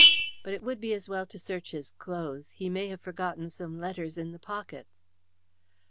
But it would be as well to search his clothes. He may have forgotten some letters in the pockets."